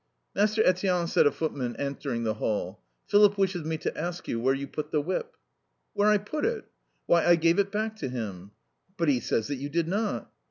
"Master Etienne," said a footman, entering the hall, "Philip wishes me to ask you where you put the whip." "Where I put it? Why, I gave it back to him." "But he says that you did not."